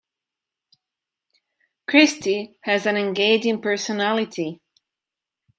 Christy has an engaging personality.